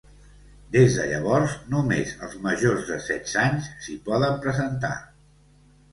Des de llavors, només els majors de setze anys s'hi poden presentar.